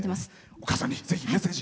お母さんにぜひメッセージ。